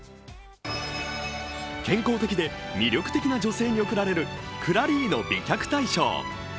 健康的で魅力的な女性に贈られるクラリーノ美脚大賞。